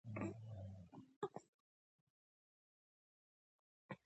آیا چې هر چا ته ګټه نه رسوي؟